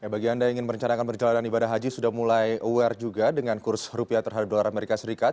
bagi anda yang ingin merencanakan perjalanan ibadah haji sudah mulai aware juga dengan kurs rupiah terhadap dolar amerika serikat